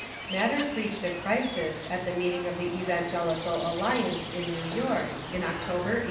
Matters reached a crisis at the meeting of the Evangelical Alliance in New York, in October, 1873.